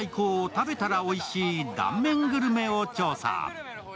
食べたらおいしい断面グルメを調査。